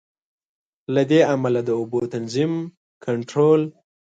له دې امله د اوبو تنظیم، کنټرول.